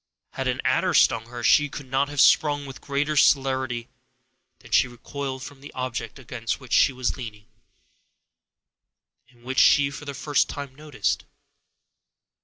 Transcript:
Had an adder stung her, she could not have sprung with greater celerity than she recoiled from the object against which she was leaning, and which she for the first time noticed.